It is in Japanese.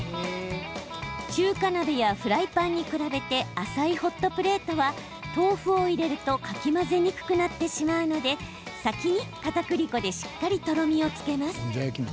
中華鍋やフライパンに比べて浅いホットプレートは豆腐を入れるとかき混ぜにくくなってしまうので先にかたくり粉でしっかり、とろみをつけます。